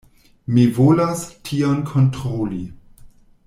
Mi volas tion kontroli.